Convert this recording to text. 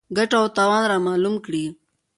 ګټه او تاوان رامعلوم کړي.